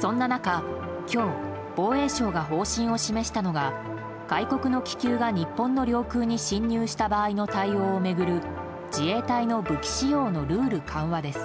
そんな中、今日防衛省が方針を示したのが外国の気球が日本の領空に侵入した場合の対応を巡る、自衛隊の武器使用のルール緩和です。